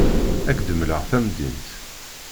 Ad ak-d-mleɣ tamdint.